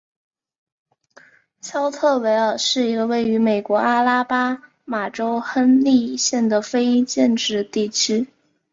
肖特维尔是一个位于美国阿拉巴马州亨利县的非建制地区。